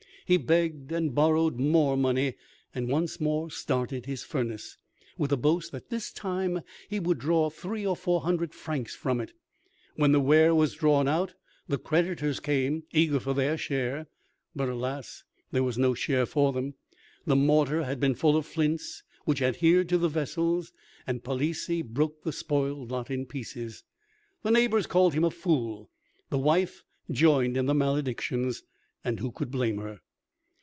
He begged and borrowed more money, and once more started his furnace, with the boast that this time he would draw three or four hundred francs from it. When the ware was drawn out, the creditors came, eager for their share; but, alas! there was no share for them. The mortar had been full of flints, which adhered to the vessels; and Palissy broke the spoiled lot in pieces. The neighbors called him a fool; the wife joined in the maledictions and who could blame her?